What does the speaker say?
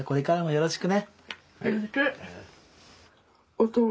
よろしく。